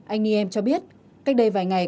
anh ni em cho biết cách đây vài ngày